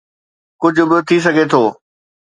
ڪجهه به ٿي سگهي ٿو.